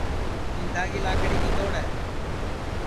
ٻِینٚدا کی لاکڑی کِتوڑ ہے